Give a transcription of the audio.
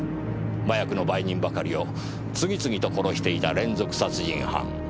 麻薬の売人ばかりを次々と殺していた連続殺人犯。